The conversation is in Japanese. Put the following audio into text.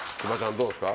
どうですか？